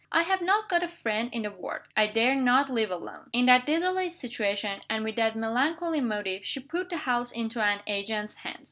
"I have not got a friend in the world: I dare not live alone." In that desolate situation, and with that melancholy motive, she put the house into an agent's hands.